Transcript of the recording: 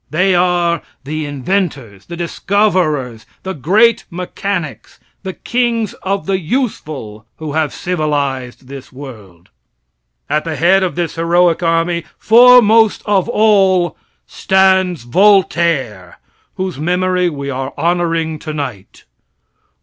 They are the inventors, the discoverers, the great mechanics, the kings of the useful who have civilized this world. At the head of this heroic army, foremost of all, stands Voltaire, whose memory we are honoring tonight.